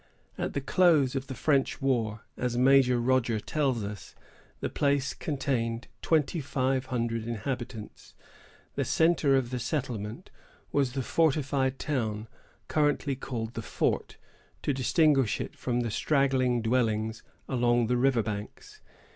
At the close of the French war, as Major Rogers tells us, the place contained twenty five hundred inhabitants. The centre of the settlement was the fortified town, currently called the Fort, to distinguish it from the straggling dwellings along the river banks.